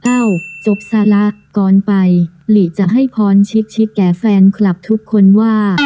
เอ้าจบสาระก่อนไปหลีจะให้พรชิคแก่แฟนคลับทุกคนว่า